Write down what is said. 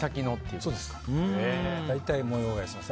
大体、模様替えします。